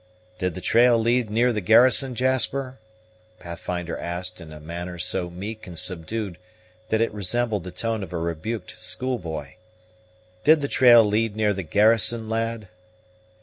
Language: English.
"Did the trail lead near the garrison, Jasper?" Pathfinder asked in a manner so meek and subdued that it resembled the tone of a rebuked schoolboy. "Did the trail lead near the garrison, lad?"